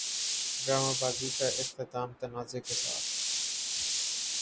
drama Baaghi کا اختتام تنازعے کے ساتھ